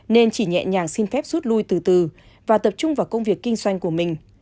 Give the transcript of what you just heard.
nên chỉ nhẹ nhàng xin phép rút lui từ từ và tập trung vào công việc kinh doanh của mình